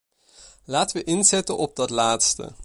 Laten we inzetten op dat laatste.